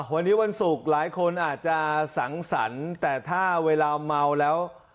วันนี้วันศุกร์หลายคนอาจจะสังสรรค์แต่ถ้าเวลาเมาแล้ว